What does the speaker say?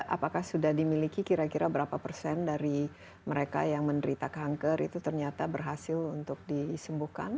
apakah sudah dimiliki kira kira berapa persen dari mereka yang menderita kanker itu ternyata berhasil untuk disembuhkan